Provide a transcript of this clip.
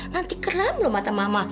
nanti kerem loh mata mama